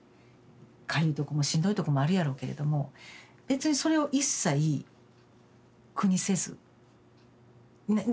かゆいとこもしんどいとこもあるやろうけれども別にそれを一切苦にせず言わないんですよ。